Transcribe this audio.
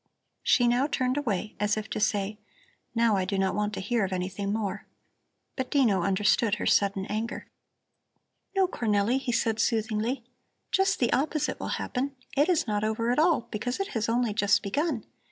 She now turned away, as if to say: Now I do not want to hear of anything more. But Dino understood her sudden anger. "No, Cornelli," he said soothingly, "just the opposite will happen. It is not over at all, because it has only just begun.